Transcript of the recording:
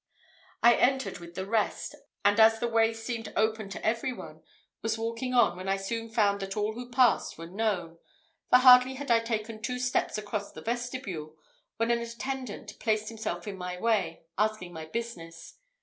I entered with the rest; and as the way seemed open to every one, was walking on, when I soon found that all who passed were known; for hardly had I taken two steps across the vestibule, when an attendant placed himself in my way, asking my business.